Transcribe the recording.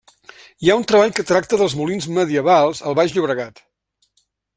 Hi ha un treball que tracta dels molins medievals al baix Llobregat.